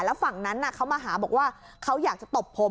แล้วฝั่งนั้นเขามาหาบอกว่าเขาอยากจะตบผม